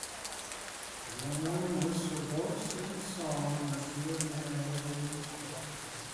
A young woman lifts her voice in song in a field near an old wooden structure.